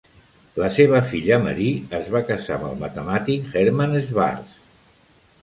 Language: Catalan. La seva filla Marie es va casar amb el matemàtic Hermann Schwarz.